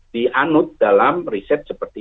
dianut dalam riset seperti